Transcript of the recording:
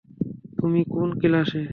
তুমি কোন ক্লাসে?